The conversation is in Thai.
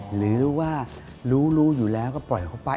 หรือว่ารู้รู้อยู่แล้วก็ปล่อยเขาไป